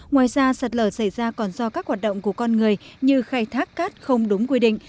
ngoài ra sạt lở xảy ra còn do các hoạt động của con người như khai thác cát không đúng quy định